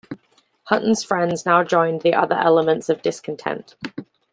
Hutten's friends now joined the other elements of discontent.